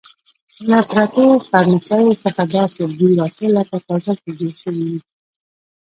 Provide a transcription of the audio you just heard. له پرتو فرنیچرو څخه داسې بوی راته، لکه تازه چې جوړ شوي وي.